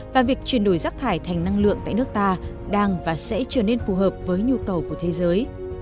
và việc chuyển đổi rác thải thành năng lượng tại nước ta đang và sẽ trở nên phù hợp với nhu cầu của thế giới